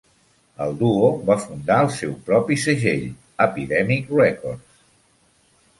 El duo va fundar el seu propi segell, Epidemic Records.